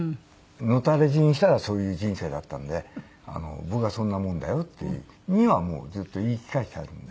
野たれ死にしたらそういう人生だったんで僕はそんなもんだよっていうふうにはずっと言い聞かせてあるんで。